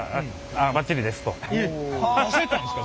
出せたんですか？